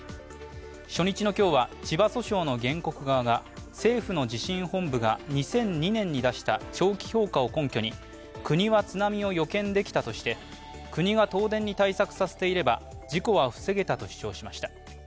初日の今日は、千葉訴訟の原告側が政府の地震本部が２００２年に出した長期評価を根拠に国は津波を予見できたとして国が東電に対策させていれば事故は防げたと主張しました。